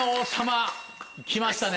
来ましたね。